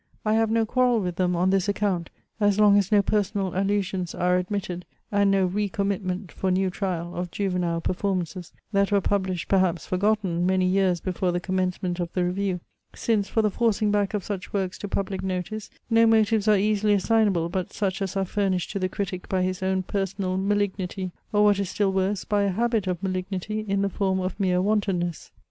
I have no quarrel with them on this account, as long as no personal allusions are admitted, and no re commitment (for new trial) of juvenile performances, that were published, perhaps forgotten, many years before the commencement of the review: since for the forcing back of such works to public notice no motives are easily assignable, but such as are furnished to the critic by his own personal malignity; or what is still worse, by a habit of malignity in the form of mere wantonness.